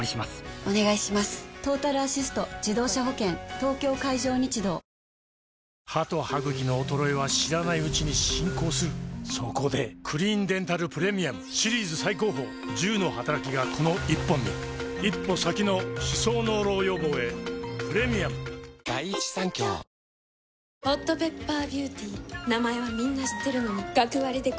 東京海上日動歯と歯ぐきの衰えは知らないうちに進行するそこで「クリーンデンタルプレミアム」シリーズ最高峰１０のはたらきがこの１本に一歩先の歯槽膿漏予防へプレミアムこころの底からのどが渇いた「カルピスウォーター」頑張れー！